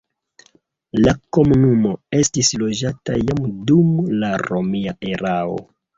La komunumo estis loĝata jam dum la romia erao.